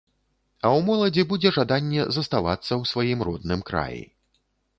А ў моладзі будзе жаданне заставацца ў сваім родным краі.